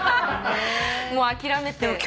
もう諦めて。